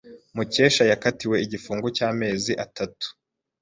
Mukesha yakatiwe igifungo cy’amezi atanu.